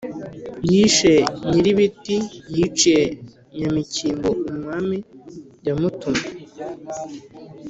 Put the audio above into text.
Yishe nyir'ibiti, yiciye Nyamikingo umwami yamutumye,